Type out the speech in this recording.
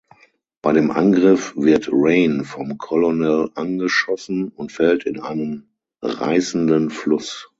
Bei dem Angriff wird Rain vom Colonel angeschossen und fällt in einen reißenden Fluss.